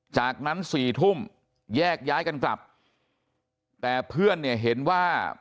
จากนั้นสี่ทุ่มแยกย้ายกันกลับแต่เพื่อนเนี่ยเห็นว่า